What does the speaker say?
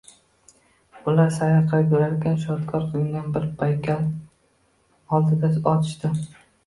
Ular sayr qilib yurarkan, shudgor qilingan bir paykal oldidan oʻtishdi